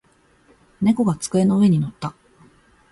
猫が机の上に乗った。